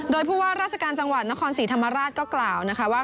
โดยผู้ว่าราชการจังหวัดนครศรีธรรมราชก็กล่าวนะคะว่า